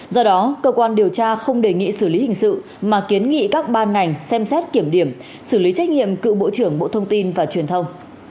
do đó cơ quan điều tra không đề nghị xử lý hình sự mà kiến nghị các ban ngành xem xét kiểm điểm xử lý trách nhiệm cựu bộ trưởng bộ thông tin và truyền thông